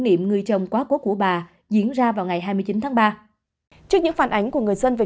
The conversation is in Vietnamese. niệm người chồng quá quốc của bà diễn ra vào ngày hai mươi chín tháng ba trước những phản ánh của người dân về